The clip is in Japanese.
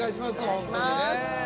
ホントにね。